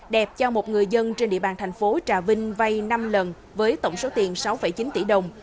đẹp cho một người dân trên địa bàn thành phố trà vinh vay năm lần với tổng số tiền sáu chín tỷ đồng